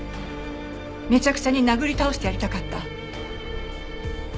めちゃくちゃに殴り倒してやりたかった。